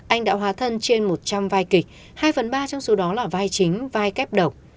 anh đã hóa thân trên một trăm linh vai kịch hai phần ba trong số đó là vai chính vai kép độc